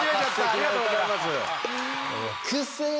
ありがとうございます。